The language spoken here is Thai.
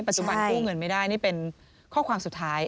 จุบันกู้เงินไม่ได้นี่เป็นข้อความสุดท้าย